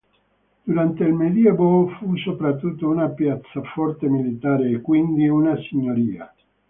Durante il medioevo fu soprattutto una piazzaforte militare e, quindi, una Signoria.